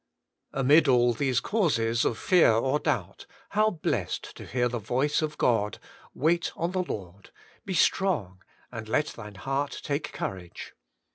Amid all these causes of fear or doubt, how blessed to hear the voice of God, * Wait on the Lord I Be strong, and let thine heart take courage!